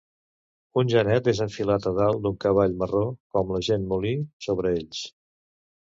Un genet és enfilat a dalt d'un cavall marró com la gent molí sobre ells